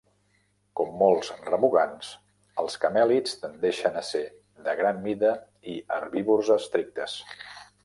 Com molts remugants, els camèlids tendeixen a ser de gran mida i herbívors estrictes.